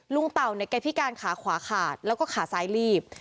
เต่าเนี่ยแกพิการขาขวาขาดแล้วก็ขาซ้ายลีบ